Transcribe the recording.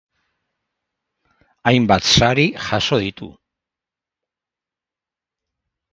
Hainbat sari jaso ditu.